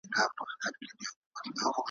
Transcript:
د علم څراغ به یې سبا ته ورسوي.